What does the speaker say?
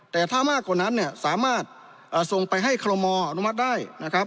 แต่ถ้ามากกว่านั้นสามารถส่งไปให้ครโลมอล์อนุมัติได้